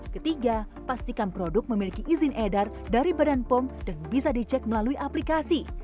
ketiga pastikan produk memiliki izin edar dari badan pom dan bisa dicek melalui aplikasi